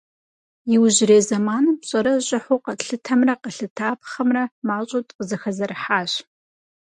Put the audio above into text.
Иужьрей зэманым пщӏэрэ щӏыхьу къэтлъытэмрэ къэлъытапхъэмрэ мащӏэу тфӏызэхэзэрыхьащ.